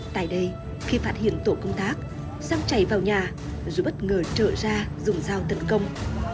tại đây khi phát hiện tổ công tác xong chạy vào nhà dù bất ngờ trợ ra dùng dao tấn công